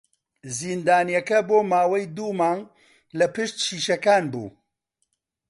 زیندانییەکە بۆ ماوەی دوو مانگ لە پشت شیشەکان بوو.